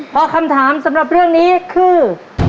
เพราะคำถามสำหรับเรื่องนี้คือ